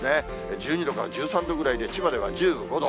１２度から１３度ぐらいで、千葉では１５度。